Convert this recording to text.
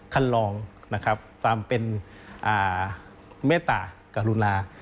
คัดลองตามเป็นเมตตาการุณา